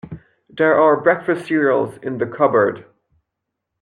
There are breakfast cereals in the cupboard.